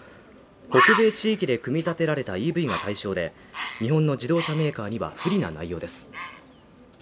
北米地域で組み立てられたＥＶが対象で、日本の自動車メーカーには不利な内容です。